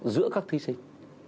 giữa các thí sinh